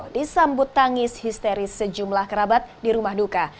disambut tangis histeris sejumlah kerabat di rumah duka